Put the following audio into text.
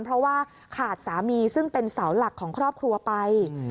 เพราะว่าขาดสามีซึ่งเป็นเสาหลักของครอบครัวไป